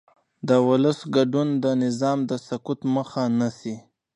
د ولس ګډون د نظام د سقوط مخه نیسي